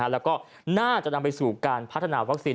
แล้วก็น่าจะนำไปสู่การพัฒนาวัคซีน